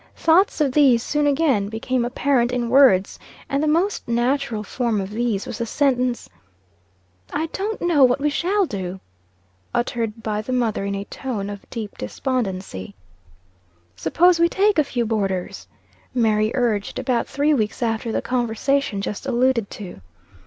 Thoughts of these soon again became apparent in words; and the most natural form of these was the sentence "I don't know what we shall do!" uttered by the mother in a tone of deep despondency. "Suppose we take a few boarders?" Mary urged, about three weeks after the conversation just alluded to.